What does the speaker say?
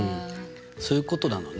そういうことなのね。